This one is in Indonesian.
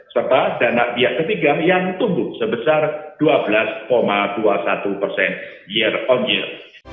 serta dana pihak ketiga yang tumbuh sebesar dua belas dua puluh satu persen year on year